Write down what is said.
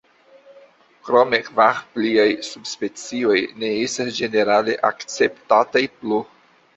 Krome kvar pliaj subspecioj ne estas ĝenerale akceptataj plu.